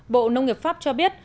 bộ nông nghiệp pháp cho biết